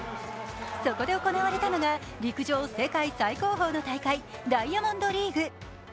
そこで行われたのが陸上世界最高峰の大会、ダイヤモンドリーグ。